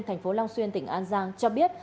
thành phố long xuyên tỉnh an giang cho biết